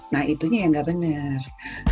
nah itunya yang nggak benar